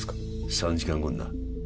３時間後にな